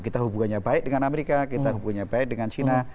kita hubungannya baik dengan amerika kita hubungannya baik dengan china